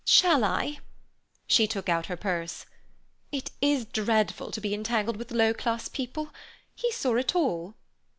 Shall I?" She took out her purse. "It is dreadful to be entangled with low class people. He saw it all."